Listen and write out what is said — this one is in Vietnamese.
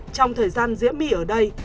trong thời gian diễm my ở đây